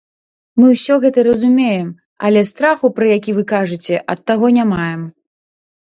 Мы ўсё гэта разумеем, але страху, пра які вы кажаце, ад таго не маем.